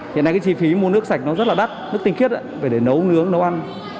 hiện nay cái chi phí mua nước sạch nó rất là đắt nước tinh khiết về để nấu nướng nấu ăn